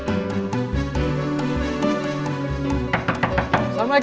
iya aku mau ke cidahu